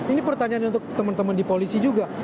ini pertanyaannya untuk teman teman di polisi juga